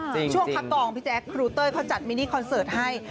ช่วงพับกล่องของพี่จะเอ็กซ์ครูเต้ยเขาจัดมินิคอนเซิร์ตให้